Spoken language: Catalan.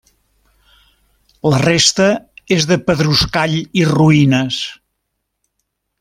La resta és de pedruscall i ruïnes.